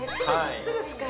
すぐ使える。